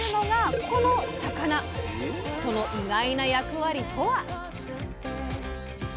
その意外な役割とは？